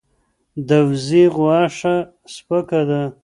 د وزې غوښه سپکه ده.